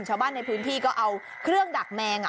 ชาวบ้านในพื้นที่ก็เอาเครื่องดักแมง